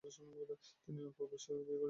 তিনি খুব অল্প বয়সে বিয়ে করেছিলেন।